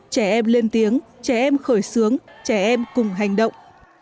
trẻ em lên tiếng trẻ em khởi xướng trẻ em cùng hành động